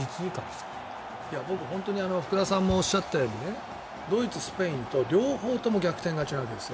僕、本当に福田さんもおっしゃったようにドイツ、スペインと両方とも逆転勝ちなわけですよ。